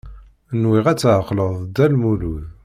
Nwiɣ ad tɛeqleḍ Dda Lmulud.